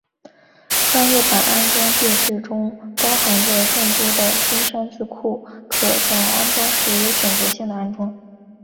专业版安装介质中包含着众多的金山字库可在安装时有选择性的安装。